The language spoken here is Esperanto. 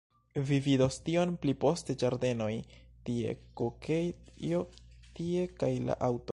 Vi vidos tion pli poste ĝardenoj tie, kokejo tie, kaj la aŭto...